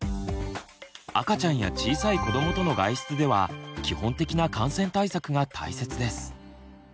赤ちゃんや小さい子どもとの外出では基本的な感染対策が大切です。